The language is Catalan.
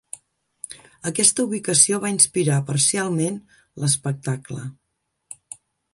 Aquesta ubicació va inspirar parcialment l'espectacle.